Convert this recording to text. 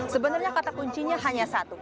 sebenarnya kata kuncinya hanya satu